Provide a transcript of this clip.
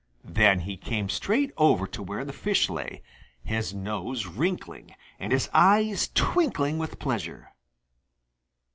Then he came straight over to where the fish lay, his nose wrinkling, and his eyes twinkling with pleasure.